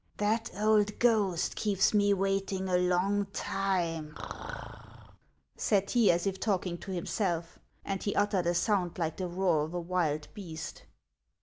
" That old ghost keeps me waiting a long time," said he, as if talking to himself ; and he uttered a sound like the roar of a wild beast.